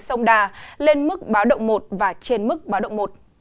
sông đà lên mức báo động một và trên mức báo động một